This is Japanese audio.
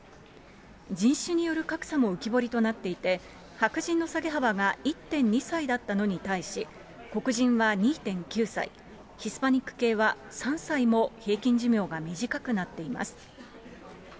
人種による格差も浮き彫りとなっていて、白人の下げ幅が１．２歳だったのに対し、黒人は２．９歳、ヒスパニック系は３歳も平均寿命が短くなっています。